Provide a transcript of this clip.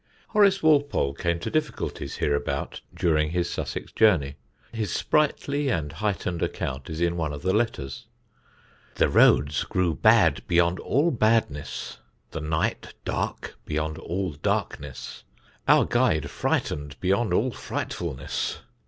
Horace Walpole came to difficulties hereabout during his Sussex journey. His sprightly and heightened account is in one of the letters: "The roads grew bad beyond all badness, the night dark beyond all darkness, our guide frightened beyond all frightfulness.